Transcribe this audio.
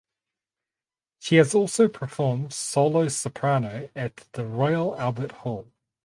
She has also performed solo soprano at the Royal Albert Hall.